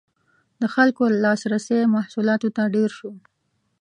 • د خلکو لاسرسی محصولاتو ته ډېر شو.